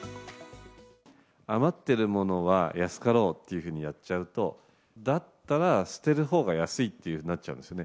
余ってるものは安かろうというふうにやっちゃうと、だったら捨てるほうが安いっていうふうになっちゃうんですよね。